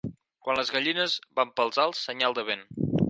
Quan les gallines van pels alts, senyal de vent.